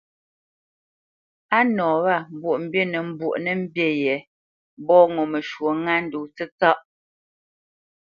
A nɔ wâ Mbwoʼmbî nə mbwoʼnə́ mbî yě mbɔ́ ŋo məshwɔ̌ ŋá ndó tsətsâ .